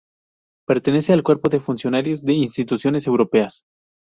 Pertenece al cuerpo de funcionarios de instituciones europeas.